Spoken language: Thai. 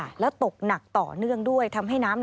สวัสดีค่ะสวัสดีค่ะ